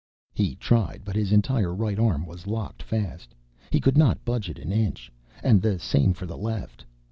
He tried, but his entire right arm was locked fast. He could not budge it an inch. And the same for the left.